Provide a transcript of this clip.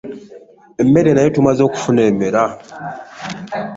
Emmere nayo tumaze okufuna emala.